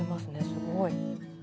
すごい。